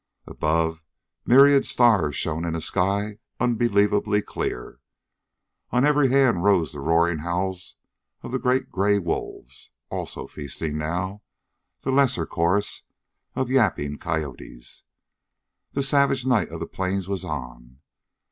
Above, myriad stars shone in a sky unbelievably clear. On every hand rose the roaring howls of the great gray wolves, also feasting now; the lesser chorus of yapping coyotes. The savage night of the Plains was on.